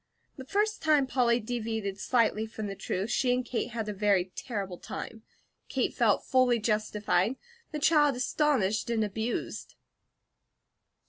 The first time Polly deviated slightly from the truth, she and Kate had a very terrible time. Kate felt fully justified; the child astonished and abused.